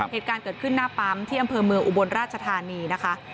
เหตุการณ์เกิดขึ้นหน้าปั๊มที่อำเภอเมืองอุบลราชธานีนะคะ